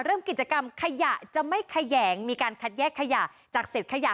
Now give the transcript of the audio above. เริ่มกิจกรรมขยะจะไม่แขยงมีการคัดแยกขยะจากเศษขยะ